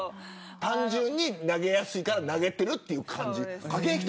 単純に投げやすいから投げてる感じ。